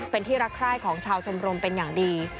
เป็นที่รักใคร่ของชาวชมรมเป็นอย่างดี